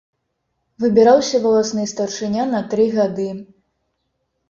Выбіраўся валасны старшыня на тры гады.